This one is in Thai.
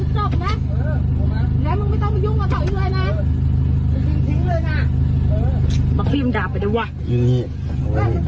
ชื่อใครก็จะไม่รู้เลย